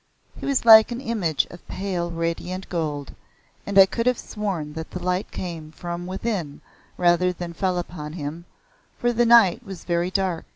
He was like an image of pale radiant gold, and I could have sworn that the light came from within rather than fell upon him, for the night was very dark.